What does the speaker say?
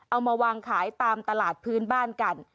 เอามาวางขายตามตลาดพื้นบ้านกัน